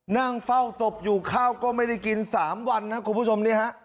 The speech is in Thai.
นั่งเฝ้าศพอยู่ข้าวก็ไม่ได้กิน๓วันนะคุณผู้ชมนี่ฮะ